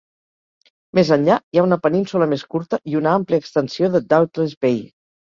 Més enllà, hi ha una península més curta i una àmplia extensió de Doubtless Bay.